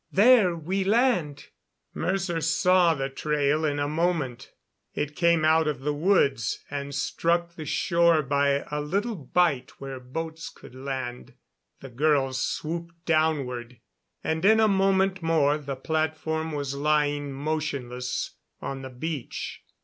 There we land." Mercer saw the trail in a moment. It came out of the woods and struck the shore by a little bight where boats could land. The girls swooped downward, and in a moment more the platform was lying motionless on the beach.